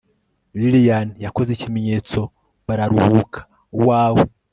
lilian yakoze ikimenyetso bararuhuka. uwawe